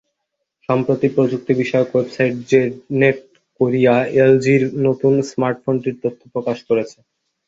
সম্প্রতি প্রযুক্তিবিষয়ক website ZDNet Korea এলজির নতুন স্মার্টফোনটির তথ্য প্রকাশ করেছে।